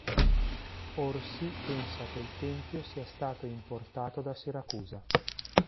Orsi pensa che il tempio sia stato importato da Siracusa.